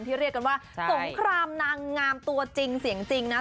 เรียกกันว่าสงครามนางงามตัวจริงเสียงจริงนะ